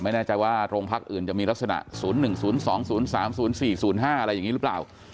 ไม่แน่ใจว่าโรงพักอื่นจะมีลักษณะ๐๑๐๒๐๓๐๔๐๕อะไรอย่างนี้หรือเปล่า